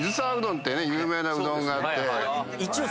有名なうどんがあって。